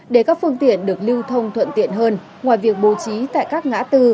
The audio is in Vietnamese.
để các phương tiện được lưu thông thuận tiện hơn ngoài việc bố trí tại các ngã tư